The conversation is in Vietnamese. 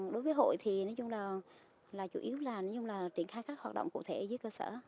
đối với hội thì nói chung là chủ yếu là tiện khai các hoạt động cụ thể dưới cơ sở